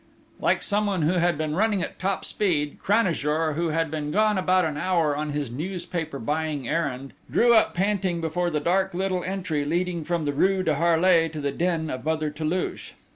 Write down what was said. Like someone who had been running at top speed Cranajour, who had been gone about an hour on his newspaper buying errand, drew up panting before the dark little entry leading from the rue de Harlay to the den of Mother Toulouche.